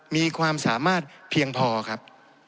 มีความสามารถเพียงพอครับ